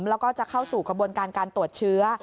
แล้วก็จะเข้าสู่กระบวนการการตรวจเชื้อ